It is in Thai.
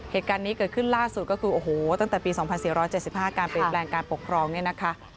เหตุการณ์นี้เกิดขึ้นล่าสุดก็คือโอ้โหตั้งแต่ปี๒๔๗๕การเปลี่ยนแปลงการปกครองเนี่ยนะคะ